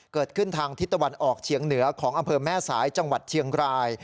เกิดขึ้นทางทิศตะวันออกเฉียงเหนือของอำเภอแม่สายจังหวัดเชียงราย